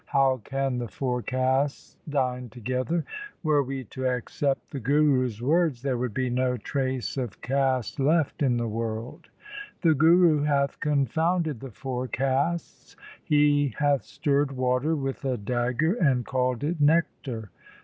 How can the four castes dine together ? Were we to accept the Guru's words, there would be no trace of caste left SIKH. v H 98 THE SIKH RELIGION in the world. The Guru hath confounded the four castes. He hath stirred water with a dagger and called it nectar.